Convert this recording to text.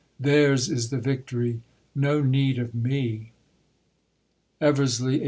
Theirs is the victory; No need of me!' Eversley, 1852.